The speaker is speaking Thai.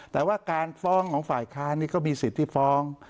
แต่ว่าการฟ้องของฝ่ายค้านนี่ก็มีสิทธิ์ที่ฟ้อง